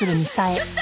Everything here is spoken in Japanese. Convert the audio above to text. ちょっと！